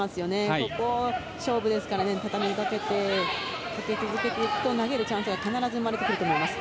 ここは勝負ですから畳みかけて、かけ続けていくと投げるチャンスが必ず生まれると思います。